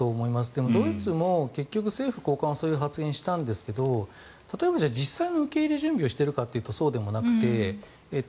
でも、ドイツも、結局政府高官はそういう発言をしたんですが例えば実際の受け入れ準備をしているかというとそうではなくて。